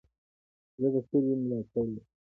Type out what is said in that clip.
زه د سولي ملاتړی یم.